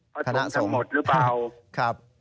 ประสงค์ทั้งหมดหรือเปล่า